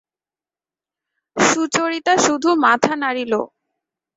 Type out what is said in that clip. সুচরিতা শুধু মাথা নাড়িল।